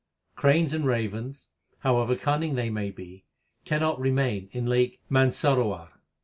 Cranes and ravens, however cunning they may be, cannot remain in lake Mansarowar.